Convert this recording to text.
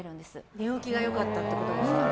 寝起きが良かったってことですね。